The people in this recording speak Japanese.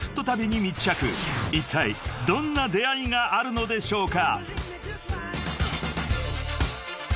［いったいどんな出合いがあるのでしょうか］